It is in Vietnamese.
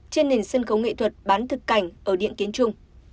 trên nền sân khấu nghệ thuật bán thực cảnh ở điện kiến trung